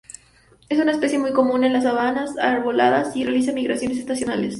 Es una especie muy común en las sabanas arboladas y realiza migraciones estacionales.